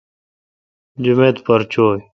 جمیت پر چو۔